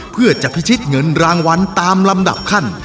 เพื่อจะพิชิตเงินรางวัลตามลำดับขั้น